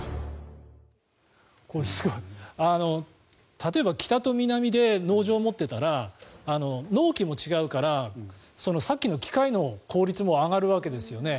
例えば北と南で農場を持っていたら農期も違うからさっきの機械の効率も上がるわけですよね。